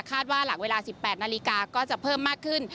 ว่าหลังเวลา๑๘นาฬิกาก็จะเพิ่มมากขึ้น